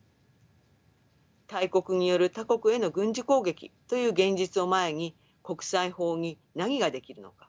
大国による他国への軍事攻撃という現実を前に国際法に何ができるのか。